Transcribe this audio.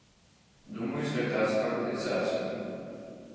Думаю, звяртацца па кампенсацыю.